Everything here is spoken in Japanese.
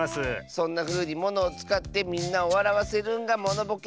そんなふうにものをつかってみんなをわらわせるんがモノボケ。